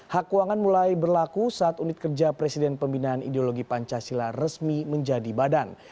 hak keuangan mulai berlaku saat unit kerja presiden pembinaan ideologi pancasila resmi menjadi badan